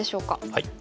はい。